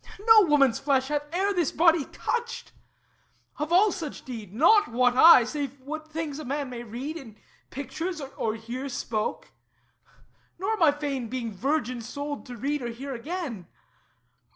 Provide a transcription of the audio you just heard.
No woman's flesh Hath e'er this body touched. Of all such deed Naught wot I, save what things a man may read In pictures or hear spoke; nor am I fain, Being virgin souled, to read or hear again.